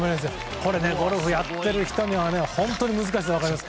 これ、ゴルフやっている人には本当に難しさが分かります。